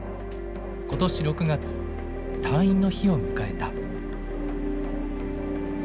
今年６月退院の日を迎えた。